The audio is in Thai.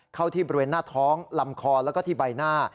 เข้าที่บริเวณหน้าท้องลำคอแล้วก็ที่ใบหน้า